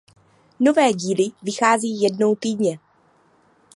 Nové díly vychází jednou týdně.